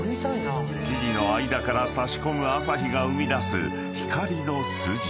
［木々の間から差し込む朝日が生み出す光の筋］